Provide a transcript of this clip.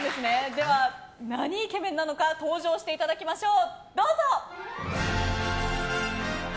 では、なにイケメンなのか登場していただきましょう。